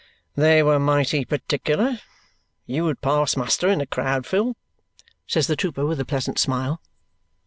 "They were mighty particular. You would pass muster in a crowd, Phil!" says the trooper with a pleasant smile.